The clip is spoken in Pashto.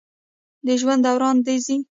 د ژوند دوران د زی